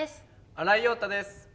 新井庸太です。